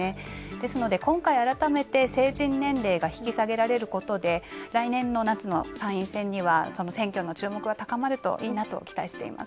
ですので、今回、改めて成人年齢が引き下げられることで来年の夏の参院選には選挙の注目が高まるといいなと思います。